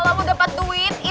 kamu bilang berhenti